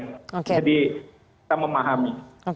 jadi kita memahami